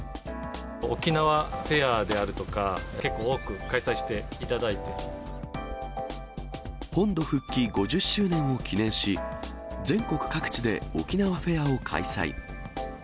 沖縄フェアであるとか、本土復帰５０周年を記念し、全国各地で沖縄フェアを開催。